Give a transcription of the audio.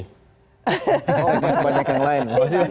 oh lebih banyak yang lain